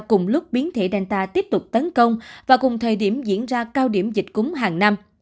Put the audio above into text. cùng lúc biến thể danta tiếp tục tấn công và cùng thời điểm diễn ra cao điểm dịch cúm hàng năm